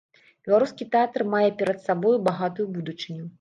Беларускі тэатр мае перад сабою багатую будучыню.